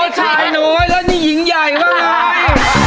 ชายน้อยแล้วนี่หญิงใหญ่บ้างไง